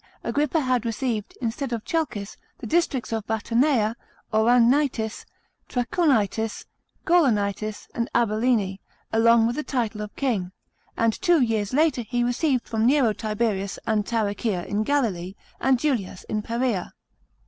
Agrippa had received, instead of Chalcis, the districts of Batanea, Auranitis, Trachonitis, Gaulonitis, and Abilene, along with the title of king, and two years later he received from Nero Tiberias and Tarichea in Galilee, and Julias in Peraa.